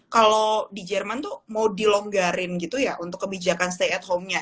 kalau di jerman tuh mau dilonggarin gitu ya untuk kebijakan stay at home nya